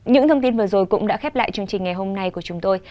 những thông tin vừa rồi cũng đã khép lại chương trình ngày hôm nay của chúng tôi